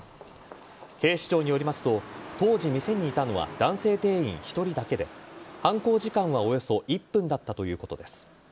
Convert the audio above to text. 警視庁によりますと当時、店にいたのは男性店員１人だけで犯行時間はおよそ１分だったということです。